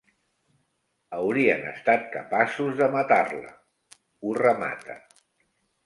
Haurien estat capaços de matar-la —ho remata.